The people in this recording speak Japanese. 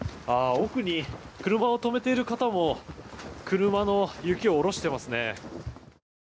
奥に車を止めている方も車の雪を下ろしていますね。